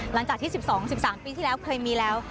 หลังจาก๑๒๑๓ปีที่แล้วเคยมีแล้ว